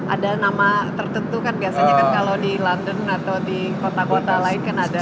ada nama tertentu kan biasanya kan kalau di london atau di kota kota lain kan ada